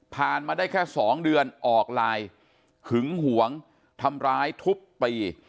มาได้แค่๒เดือนออกไลน์หึงหวงทำร้ายทุบตี